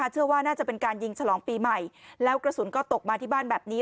เชื่อว่าน่าจะเป็นการยิงฉลองปีใหม่แล้วกระสุนก็ตกมาที่บ้านแบบนี้